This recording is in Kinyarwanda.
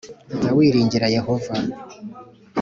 jya wiringira Yehova.